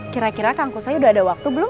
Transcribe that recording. kira kira kang kusoy sudah ada waktu belum